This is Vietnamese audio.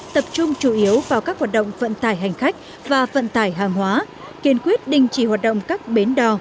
đấu vào các hoạt động vận tải hành khách và vận tải hàng hóa kiên quyết đình chỉ hoạt động các bến đò